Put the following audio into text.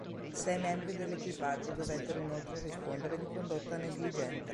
Sei membri dell'equipaggio dovettero inoltre rispondere di condotta negligente.